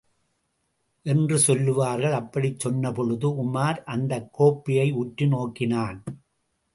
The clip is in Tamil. என்று சொல்லுவார்கள். அப்படிச் சொன்னபொழுது, உமார் அந்தக் கோப்பையை உற்று நோக்கினான்.